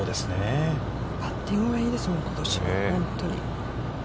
パッティングがいいですもん、ことしは本当に。